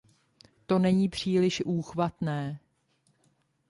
To není příliš úchvatné!